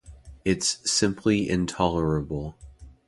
It's simply intolerable.